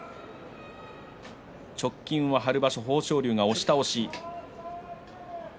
直近は春場所、豊昇龍が押し倒し。